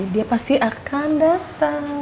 dia pasti akan datang